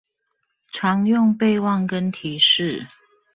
常用備忘跟提示